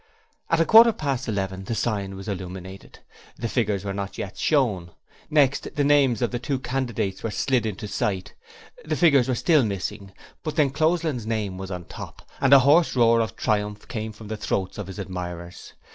At a quarter past eleven the sign was illuminated, but the figures were not yet shown. Next, the names of the two candidates were slid into sight, the figures were still missing, but D'Encloseland's name was on top, and a hoarse roar of triumph came from the throats of his admirers.